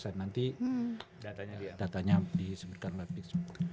nanti datanya disebutkan lebih